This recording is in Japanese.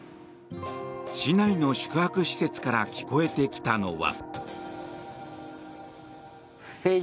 市内の宿泊施設から聞こえてきたのは。